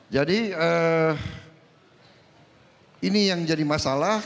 jadi ini yang jadi masalah